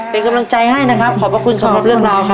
เป็นกำลังใจให้นะครับขอบพระคุณสำหรับเรื่องราวครับ